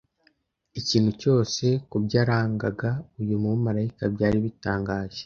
Ikintu cyose ku byarangaga uyu mumarayika byari bitangaje.